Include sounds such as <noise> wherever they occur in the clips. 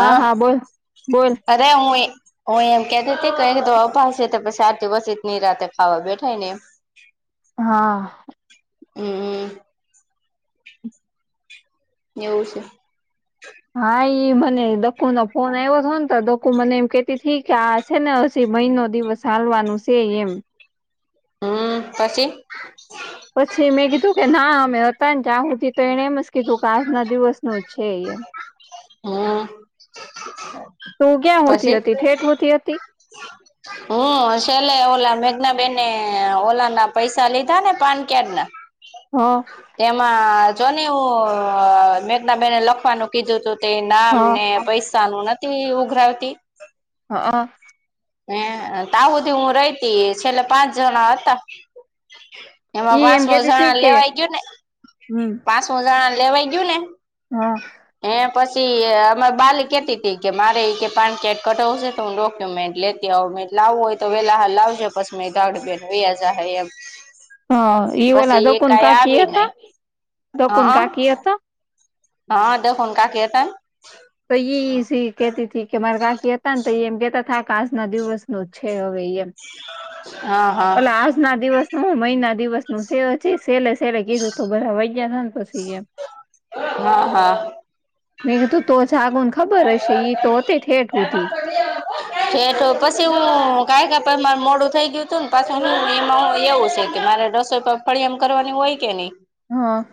હા! હ! બોલ અરે હું એ હુ એમ કેતીતી કે અહીયે તો અભાવ સે તો પસ સાત બસની રાતે ખાવા બેઠાય ને એમ. હા. હમ. એવું છે. હા ઈ મને ડકુ નો ફોન આવ્યો હતો ને તો ડકુ મને એમ કેતી થઇ કે આ છે ને હજી મહિનો દિવસ ચાલવાનું છે એમ. હમ પછી? પછી મેં કીધું કે ના અમે હતા ને ત્યા હુધી તો એણે એમ જ કીધું કે આજના દિવસનું જ છે એમ. હમ. તું ક્યાં હુંધી હતી ઠેઠ હુંધી હતી. હમ છેલે ઓલા મેઘનાબેને ઓલા ના પૈસા લીધા ને પાન કાર્ડ ના. હા. તેમાં જો ને હું મેઘના બેેને લખવાનું કીધું તો તે હ નામ ને પૈસા નું નથી ઉઘરાવતી. હા. હા હુધી હું રહીતી છેલ્લે પાંચ જણા હતા. એમાં ઈ એમ પાસો કેતી હતી જણા કે લેવાય ગયું ને હમ <unintelligible> જણા લેવાય ગયું ને હા. હે પછી અમા બાલી કેતી કે મારે કે પાન કાર્ડ કઢાવશે તો હું ડોક્યુમેન્ટ લેતી આવું લાવવું હોય તો વેલા લાવજો પછી મે <unintelligible> બેેન વહી જાય એમ. હા ઈ ઓલા પછી એ દકુન કઈ કાકી આવી હતા નહી દકુન <unintelligible> કાકી હતા હા <unintelligible> તો સી કેતી ત કે મારા કાકી હતા ને તો એ એમ કેતા કે આજના દિવસનું છે હવે એમ. હા, હા. ઓલા આજના દિવસનું હું મહિના દિવસનું છે. જે સેલે સેલે કીધું તો બધા વાઈ ગયા ને પછી એમ. હા હા મે તું તો જાગન ખબર હશે તોતી થેટ હોતી. ઠ પછી હું કાયકા પર મા મોડું થઈ ગયું હતું ને પાછી હું એમાં એવું છે કે મારે રસો. કપળ એમ કરવાની હોય કે નહી. હા.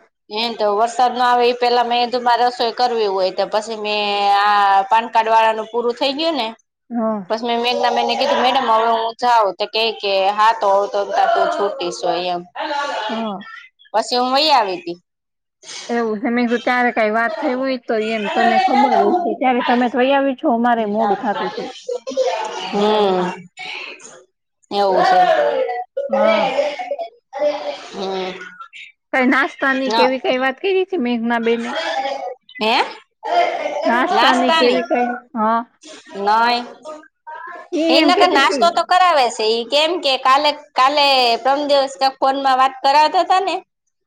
એ તો વરસાદ ના આવે એ પેલા મેંધું મારે રસોઈ કરવી હોય તો પછી મેં આ પાન. કાઢવાળાનું પૂરું થઈ ગયું ને. હા. મે મે મેને કીધું મેડમ હવે હું જાઉ તો ક કે હા તો ઓળું તો છૂટીશ એમ. હા. પછી હું વહી આવી હતી. એવુંમધું ત્યારે કઈ વાત થય હોય તો એમ તને ખબર હ છે ત્યારે તમે તોઈ આવી. છો મારે મોડુ ઉ થતું તુ. હમ એવું છે. હા હમ. કઈ નાસ્તા ની કેવી કઈ વાત કરી. મેઘના બેને ન હે નાસ્તાની કેવી કઈ હા. નહી ઈ એમ એનાગર કેતી તી નાસ્તો. કરાવે છે કેમ કે કાલે કાલે પ્ર્રમ દિવસ ફોન માં વાત કરાવતા હતા ને.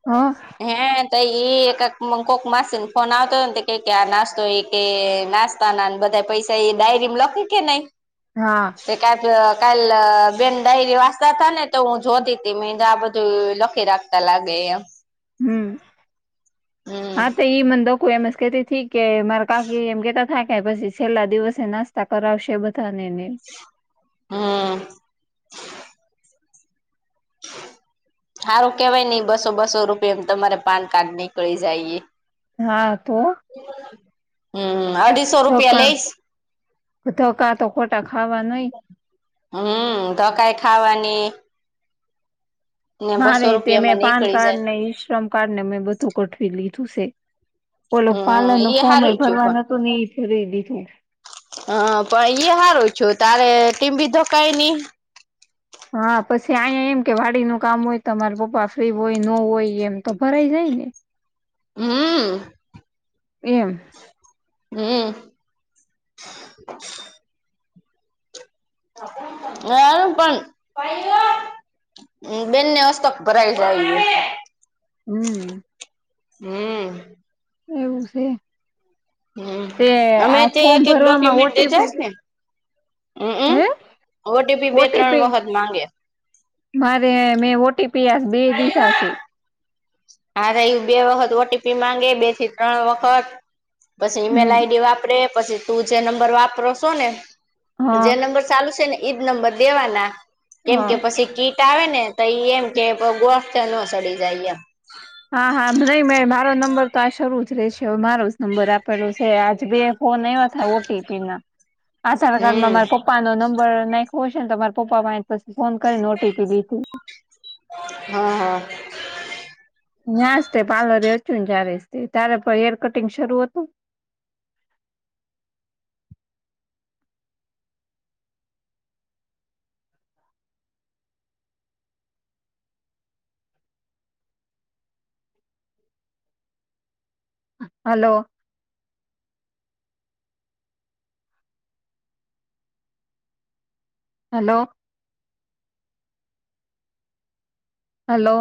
હા. હે તઈ એક. મ કોક માસી ને ફોન આવતો ને કે કે આ નાસ્તો એ કે નાસ્તા ના બધા પૈસા એ ડાયરીમાં લખે. કે નહી. હા. ક કા બેન ડાયરી વાસતા તા ને તો હું જોતી ત મે આ બધું લખી રાખે. તલા ગઈ એમ હમ હમ હા તો ઈ દકુ એમ જ કેતી થી કે મરકા કે એમ કેતા થાક પછી છેલ્લા દિવસે નાસ્તા કરાવશે બધાને ને હમ સારું કેવાય ને ઈ બસો બસો રૂપિયા એમ તમારે પાન કાર્ડ નીકળી જાયએ હા તો હમ અઢી ધકા, ધકા તો ખોટા ખાવા નય હમ ધકાઈ ખાવાની ને બસો મારેય તે મે રૂપિયામાં પાન નીકળી કાર્ડ જાય ને ઈશ્રમ કાર્ડ ને મેં બધું ગોઠવી લીધું છે. હમ ઓલું પાલર નું ઈ હારું ફોર્મેય ભરવા થયું નતું ને એ ભરી દીધું. હ પણ ઈ સારું થયું, તારે ટીંબી ધકાય નહી. હા પછી અહીંયા એમ કે વાડીનું કામ હોય તો મારા પપ્પા ફ્રી હોય ન હોય એમ તો ભરાઈ જાય ને હમ એમ હમ <inaudible> હ પણ <inaudible> હમ બેનને હસ્તક ભરાઈ જાય હમ હમ એવું છે. હમ તે અમે આ તે ફોર્મ એક એક ભરવાવામાં ડોક્યુમેન્ટ દીધા ઓટીપી છે ને હમમ હમ બે ત્રણ ઓટીપી વખત માંગે મારે મેં ઓટીપી આજ બે દીધા છે. મારેય બે વખત ઓટીપી માંગે બે થી ત્રણ વખત પછી ઈમેલ હમ. આઈડી વાપરે પછી તું જે નંબર વાપરો છો ને હા જે નંબર ચાલુ છે ને ઈજ નંબર દેવાના કેમ હા. કે પછી કીટ આવે ને તો ઈ એમ કે ગોથે સડી જાય એમ હા હા નહીં મે મારો નંબર તો આ શરૂ જ રહે છેવે મારો જ નંબર આપેલું છે આજ બે ફોન આવવા થાય ઓટીપી ના આધાર કાર્ડમાં હમ મારા પપ્પા પપ્પાનો નંબર નાખો હશે ને તો મારા પાસેથી પછી ફોન કરીને ઓટીપી લીધી. હ હ ન્યજ જ તે પાર્લરે ને જ્યારે ત્યારે પણ હેર કટિંગ શરૂું હતું. Hello hello hello